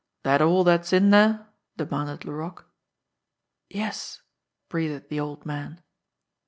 "That all that's in there?" demanded Laroque. "Yes," breathed the old man.